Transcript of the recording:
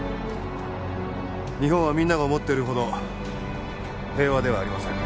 日本はみんなが思ってるほど平和ではありません。